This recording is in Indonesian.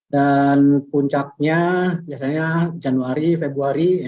dan puncaknya biasanya januari februari